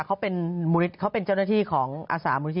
เขาเป็นมูลิตเป็นเจ้าหน้าที่ของอาสาค